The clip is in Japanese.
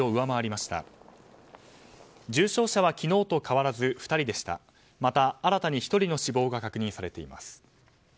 また新たに１人の死亡が確認されています。